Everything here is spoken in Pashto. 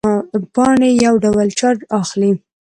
پاڼې یو ډول چارج اخلي.